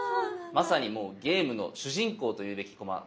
まさにもうゲームの主人公と言うべき駒なんですね。